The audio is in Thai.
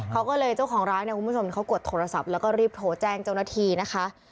เขาก็เลยเจ้าของร้านเนี่ยคุณผู้ชมเขากดโทรศัพท์แล้วก็รีบโทรแจ้งเจ้าหน้าที่นะคะ